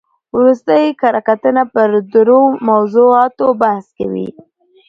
ورستۍ کره کتنه پر درو موضوعاتو بحث کوي.